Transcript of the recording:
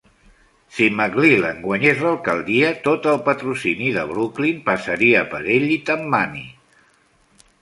Si McClellan guanyés l'alcaldia, tot el patrocini de Brooklyn passaria per ell i Tammany.